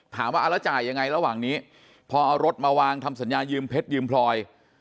ถามว่าเอาแล้วจ่ายยังไงระหว่างนี้พอเอารถมาวางทำสัญญายืมเพชรยืมพลอย